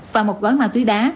và một gói ma tủy đá